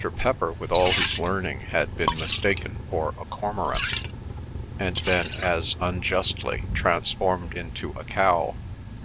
Pepper with all his learning had been mistaken for a cormorant, and then, as unjustly, transformed into a cow.